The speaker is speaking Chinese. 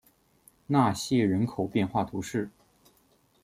纳谢人口变化图示